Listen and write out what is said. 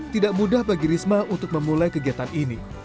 tidak mudah bagi risma untuk memulai kegiatan ini